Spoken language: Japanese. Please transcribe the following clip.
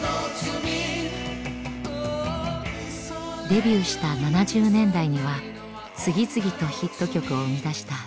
デビューした７０年代には次々とヒット曲を生み出したＴＵＬＩＰ。